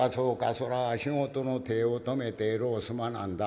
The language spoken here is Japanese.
そら仕事の手を止めてえろうすまなんだ。